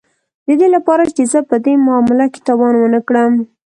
د دې لپاره چې زه په دې معامله کې تاوان ونه کړم